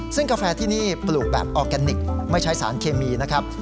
ซึ่งกาแฟที่นี่ปลูกแบบออร์แกนิคไม่ใช้สารเคมีนะครับ